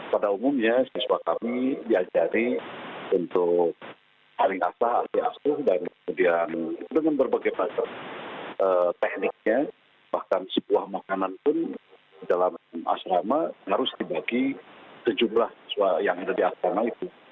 pada umumnya siswa kami diajari untuk hari asah ahli asuh dan kemudian dengan berbagai macam tekniknya bahkan sebuah makanan pun dalam asrama harus dibagi sejumlah siswa yang ada di asrama itu